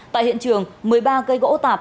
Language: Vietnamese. tại hiện trường một mươi ba cây gỗ tạp